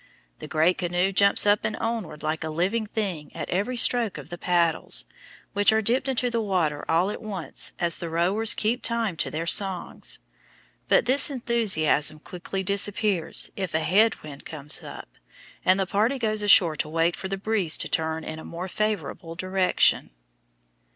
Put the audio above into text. The great canoe jumps up and onward like a living thing at every stroke of the paddles, which are dipped into the water all at once as the rowers keep time to their songs. But this enthusiasm quickly disappears if a head wind comes up, and the party goes ashore to wait for the breeze to turn in a more favorable direction.